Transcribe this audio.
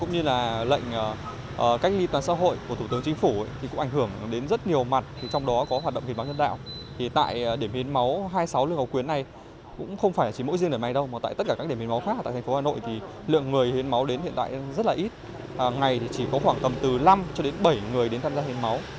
những ngày này thì chỉ có khoảng tầm từ năm cho đến bảy người đến tham gia hiến máu